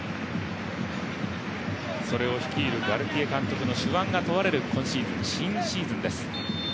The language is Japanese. それを率いるガルティエ監督の手腕が問われる今シーズン、新シーズンです。